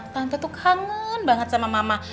tante tuh kangen banget sama mama